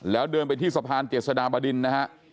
แล้วเดินไปที่สะพานเจษฎาบดินนะฮะ